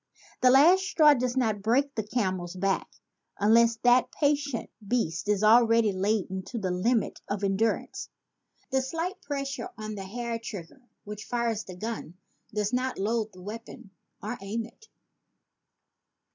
The last straw does not break the camel's back unless that patient beast is already laden to the limit of endurance. The slight pressure on the hair trigger which fires the gun, did not load the weapon or aim it.